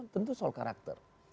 tentu soal karakter